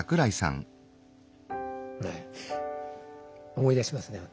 思い出しますねほんと。